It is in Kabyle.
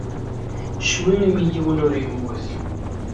Ccwi imi yiwen ur yemmut.